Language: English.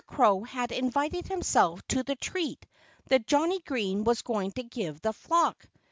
Crow had invited himself to the treat that Johnnie Green was going to give the flock.